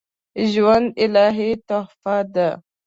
ژوند الهي تحفه ده